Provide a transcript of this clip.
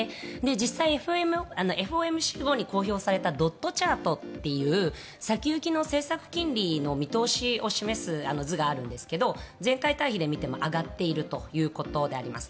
実際、ＦＯＭＣ後に公表されたドットチャートという先行きの政策金利の見通しを示す図があるんですが上がっているということであります。